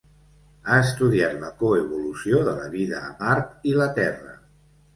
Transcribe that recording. Ha estudiat la coevolució de la vida a Mart i la Terra.